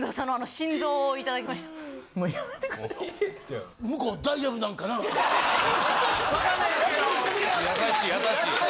優しい優しい。